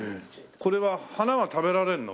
これは花は食べられるの？